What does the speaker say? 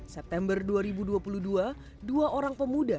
september dua ribu dua puluh dua dua orang pemuda